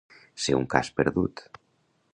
Ser un cas perdut.